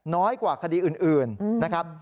น้อยกว่าคดีอื่นนะครับ